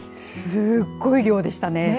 すごい量でしたね。